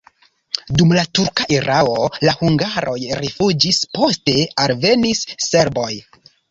Dum la turka erao la hungaroj rifuĝis, poste alvenis serboj.